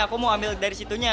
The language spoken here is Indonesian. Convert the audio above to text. aku mau ambil dari situnya